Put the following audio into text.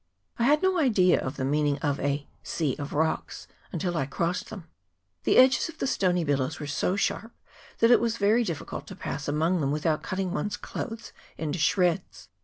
I had no idea of the meaning of a ' sea of rocks ' until I crossed them ; the edges of the stony billows were so sharp, that it was very diffi cult to pass among them without cutting one's clothes into shreds.